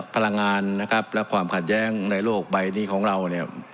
พลังงานนะครับและความขัดแย้งในโลกใบนี้ของเราเนี่ย